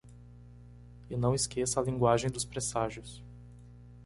E não esqueça a linguagem dos presságios.